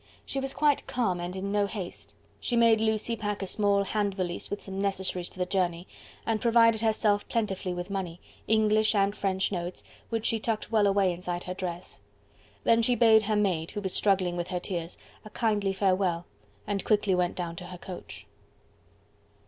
She was quite calm and in no haste. She made Lucie pack a small hand valise with some necessaries for the journey, and provided herself plentifully with money French and English notes which she tucked well away inside her dress. Then she bade her maid, who was struggling with her tears, a kindly farewell, and quickly went down to her coach.